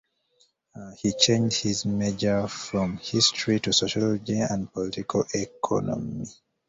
He changed his major from history to sociology and Political Economy.